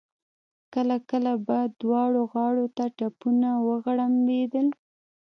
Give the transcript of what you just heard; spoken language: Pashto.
کله کله به دواړو غاړو ته توپونه وغړمبېدل.